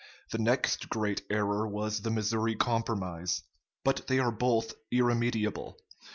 The next great error was the Missouri Compromise. But they are both irremediable....